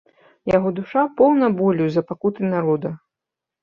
Яго душа поўна болю за пакуты народа.